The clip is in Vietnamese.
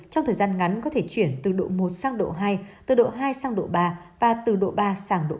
trong thời gian ngắn có thể chuyển từ độ một sang độ hai từ độ hai sang độ ba và từ độ ba sang độ ba